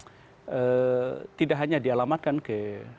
karena tidak hanya dialamatkan ke